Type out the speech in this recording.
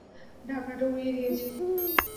ঢাকনাটা উড়িয়ে দিয়েছে।